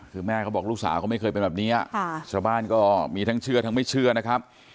คือแม่เขาบอกลูกสาวเขาไม่เคยเป็นแบบนี้ชาวบ้านก็มีทั้งเชื่อทั้งไม่เชื่อนะครับ